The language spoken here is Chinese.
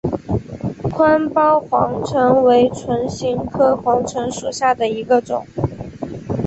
宽苞黄芩为唇形科黄芩属下的一个种。